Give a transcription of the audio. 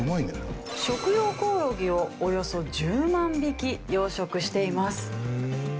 食用コオロギをおよそ１０万匹養殖しています。